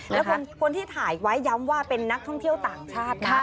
แล้วคนที่ถ่ายไว้ย้ำว่าเป็นนักท่องเที่ยวต่างชาตินะ